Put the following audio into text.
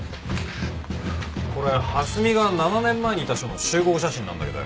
これ蓮見が７年前にいた署の集合写真なんだけどよ。